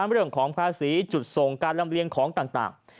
เรื่องของภาษีจุดส่งการลำเลียงของต่าง